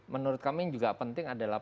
menurut kami yang juga penting adalah